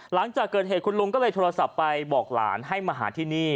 หลังจากเกิดเหตุคุณลุงก็เลยโทรศัพท์ไปบอกหลานให้มาหาที่นี่